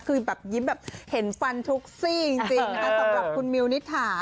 คือแบบยิ้มแบบเห็นฟันทุกซี่จริงนะคะสำหรับคุณมิวนิษฐา